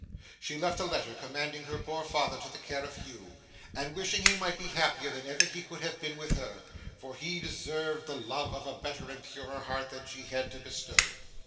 She left a letter commanding her poor father to the care of Hugh, and wishing he might be happier than ever he could have been with her, for he deserved the love of a better and a purer heart than she had to bestow.